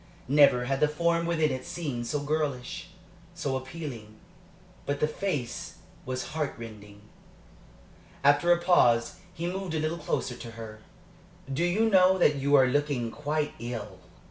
Never had the form within it seemed so girlish, so appealing. But the face was heart rending. After a pause he moved a little closer to her. "Do you know that you are looking quite ill?"